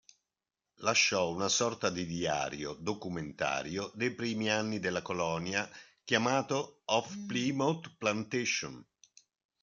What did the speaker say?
Lasciò una sorta di diario-documentario dei primi anni della colonia chiamato "Of Plymouth Plantation".